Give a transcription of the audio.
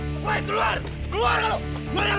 boy keluar keluar